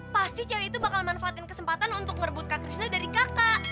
pasti cewek itu bakal manfaatin kesempatan untuk merebut kak krisna dari kakak